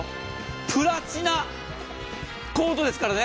プラチナコートですからね。